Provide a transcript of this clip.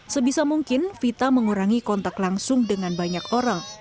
sebisa mungkin vita mengurangi kontak langsung dengan banyak orang